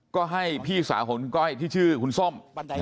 ก็ให้พี่สาวของคุณก้อยที่ชื่อคุณส้ม